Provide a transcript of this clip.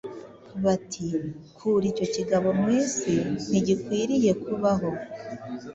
bati: “Kura icyo kigabo mu isi, ntigikwiriye kubaho.”